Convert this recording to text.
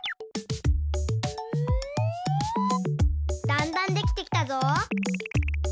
だんだんできてきたぞ。